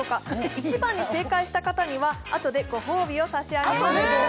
１番に正解した方には、あとでご褒美を差し上げます。